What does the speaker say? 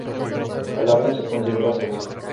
El avión se considera seguro.